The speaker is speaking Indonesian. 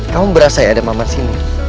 kamu berasa ya ada mama sini